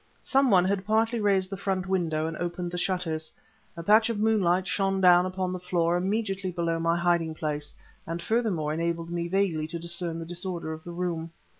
Some one had partly raised the front window and opened the shutters. A patch of moonlight shone down upon the floor immediately below my hiding place and furthermore enabled me vaguely to discern the disorder of the room.